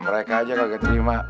mereka aja kagak terima